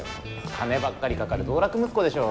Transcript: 金ばっかりかかる道楽息子でしょ？